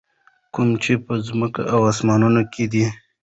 کوم چې په ځکمه او اسمانونو کي دي.